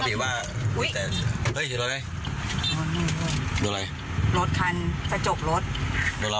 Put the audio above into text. อะไรวะไม่ให้เลนส์คนถือมาเลยเนี่ยทำไมขับรถกันแบบนี้วะ